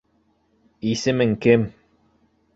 Исемең кем?